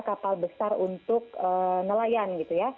kapal besar untuk nelayan